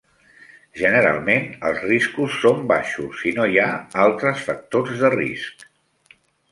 Generalment, els riscos són baixos si no hi ha altres factors de risc.